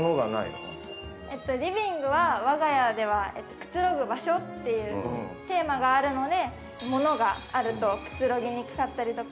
リビングは我が家ではくつろぐ場所っていうテーマがあるので物があるとくつろぎにくかったりとか。